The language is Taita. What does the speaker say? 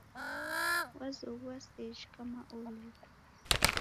Wazoghua sejhi kama olukwa